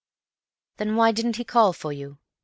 "Then why didn't he call for you?